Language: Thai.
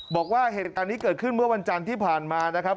บอกว่าเหตุการณ์นี้เกิดขึ้นเมื่อวันจันทร์ที่ผ่านมานะครับ